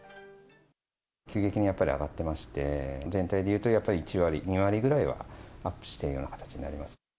急激にやっぱり上がっていまして、全体でいうと、やっぱり１割、２割ぐらいはアップしているような形になります。